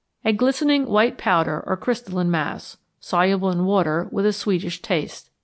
A glistening white powder or crystalline mass. Soluble in water, with a sweetish taste.